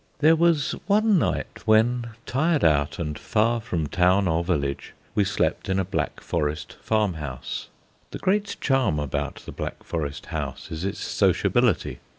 There was one night when, tired out and far from town or village, we slept in a Black Forest farmhouse. The great charm about the Black Forest house is its sociability.